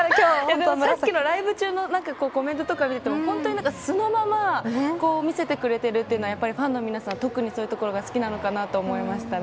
さっきのライブ中のコメントとか見ると素のまま見せてくれているというのはファンの皆さん、特にそういうところが好きなのかなと思いました。